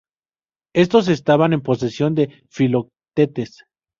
Estos estaban en posesión de Filoctetes.